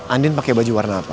andin pakai baju warna apa